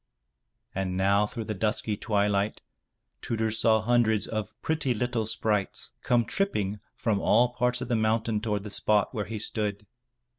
And now through the dusky twilight, Tudur saw hundreds of pretty little sprites come tripping from all parts of the mountain toward the spot where he stood.